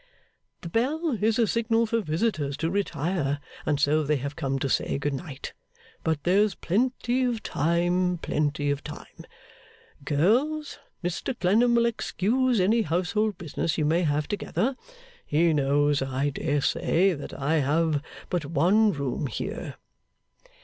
The bell is a signal for visitors to retire, and so they have come to say good night; but there is plenty of time, plenty of time. Girls, Mr Clennam will excuse any household business you may have together. He knows, I dare say, that I have but one room here.